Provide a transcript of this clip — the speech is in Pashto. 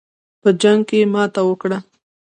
په جنګ کې ماته وکړه.